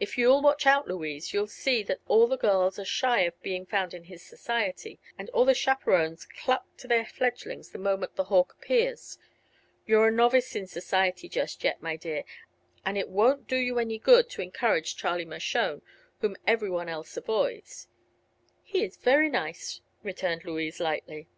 If you'll watch out, Louise, you'll see that all the girls are shy of being found in his society, and all the chaperons cluck to their fledglings the moment the hawk appears. You're a novice in society just yet, my dear, and it won't do you any good to encourage Charlie Mershone, whom everyone else avoids." "He's very nice," returned Louise, lightly.